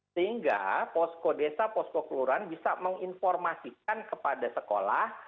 sehingga poskodesa poskokeluarahan bisa menginformasikan kepada sekolah